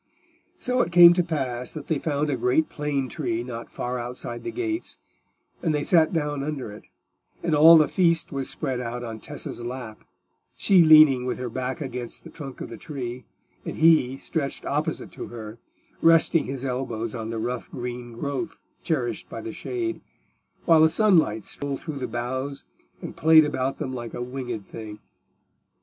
So it came to pass that they found a great plane tree not far outside the gates, and they sat down under it, and all the feast was spread out on Tessa's lap, she leaning with her back against the trunk of the tree, and he stretched opposite to her, resting his elbows on the rough green growth cherished by the shade, while the sunlight stole through the boughs and played about them like a winged thing.